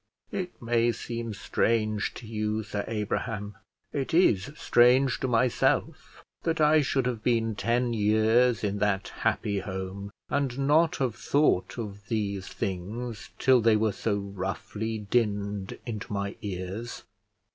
It may seem strange to you, Sir Abraham, it is strange to myself, that I should have been ten years in that happy home, and not have thought of these things till they were so roughly dinned into my ears.